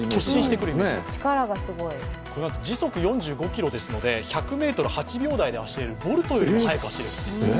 時速４５キロですので１００ｍ８秒台で走れる、ボルトよりも速く走れる。